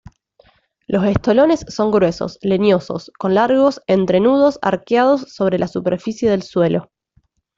Los estolones son gruesos, leñosos, con largos entrenudos arqueados sobre la superficie del suelo.